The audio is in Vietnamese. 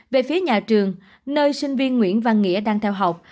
về phía nhà trường nơi sinh viên nguyễn văn nghĩa đang theo học